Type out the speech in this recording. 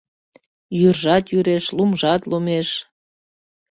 Йӱржат йӱреш, лумжат лумеш, -